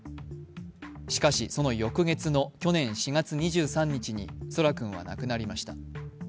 しかし、その翌月の去年４月２３日に空来君は亡くなりました。